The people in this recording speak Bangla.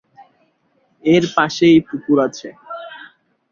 এর পাশেই পুকুর আছে।